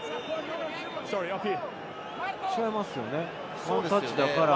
違いますよね？